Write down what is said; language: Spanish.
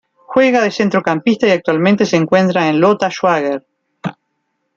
Juega de centrocampista y actualmente se encuentra en Lota Schwager.